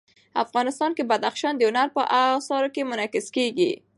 افغانستان کې بدخشان د هنر په اثار کې منعکس کېږي.